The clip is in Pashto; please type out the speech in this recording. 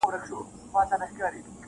د شمعي جنازې ته پروانې دي چي راځي-